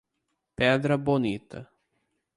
Pedra Bonita